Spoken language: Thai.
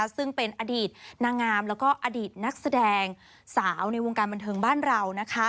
ซึ่งเป็นอดีตนางงามแล้วก็อดีตนักแสดงสาวในวงการบันเทิงบ้านเรา